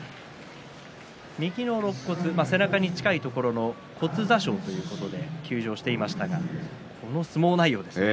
右のろっ骨背中に近いところの骨挫傷ということで休場していましたがこの相撲内容ですね。